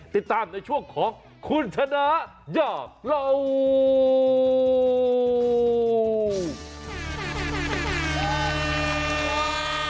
ติดตามในช่วงของขุนชนะย่าเรา